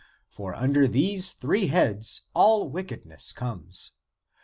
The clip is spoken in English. For under these three heads all wickedness comes.